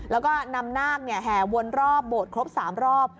แล้วก็นำนาคแห่วนรอบโบสถ์ครบ๓รอบ